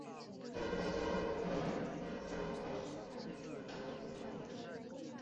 圣佩德罗主教座堂是位于西班牙城市索里亚的一座罗马天主教的主教座堂。